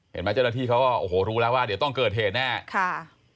เห็นไหมเจ้าหน้าที่เขาก็โอ้โหรู้แล้วว่าเดี๋ยวต้องเกิดเหตุแน่ค่ะ